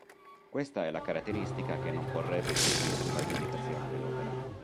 Questa è la caratteristica che non porrebbe dubbi sull'aggiudicazione dell'opera.